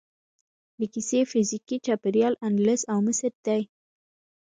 د کیسې فزیکي چاپیریال اندلس او مصر دی.